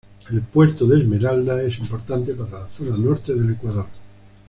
El puerto de Esmeraldas es importante para la zona norte del Ecuador.